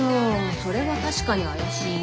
それは確かに怪しいね。